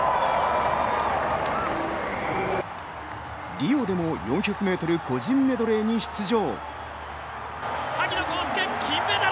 リオでも４００ｍ個人メドレーに出場。